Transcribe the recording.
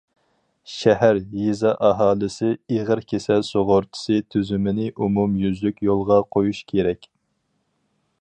شەھەر، يېزا ئاھالىسى ئېغىر كېسەل سۇغۇرتىسى تۈزۈمىنى ئومۇميۈزلۈك يولغا قويۇش كېرەك.